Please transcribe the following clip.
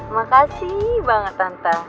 makasih banget tante